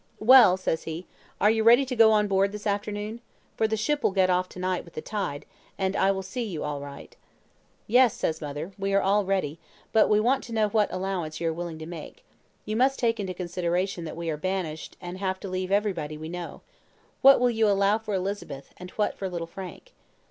"'Well,' says he, 'are you ready to go on board this afternoon? for the ship will get off to night with the tide, and I will see you all right.' "'Yes,' says mother, 'we are all ready; but we want to know what allowance you are willing to make. You must take into consideration that we are banished, and have to leave everybody we know. What will you allow for Elizabeth, and what for little Frank?'